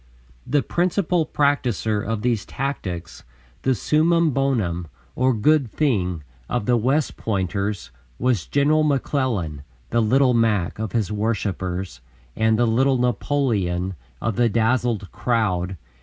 The principal practiser of these tactics, the summum bonum, or "good thing," of the "West Pointers" was General McClellan, "the Little Mac" of his worshipers and "the Little Napoleon" of the dazzled crowd.